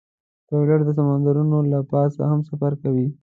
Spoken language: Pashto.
پیلوټ د سمندرونو له پاسه هم سفر کوي.